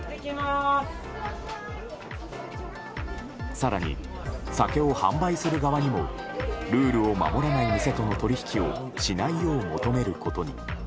更に、酒を販売する側もルールを守らない店との取り引きをしないよう求めることに。